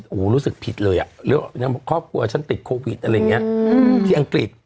โอ้รู้สึกผิดเลยอ่ะแล้วไม่ครอบครัวฉันติดอะไรอย่างเงี้ยอืมที่อังกฤษ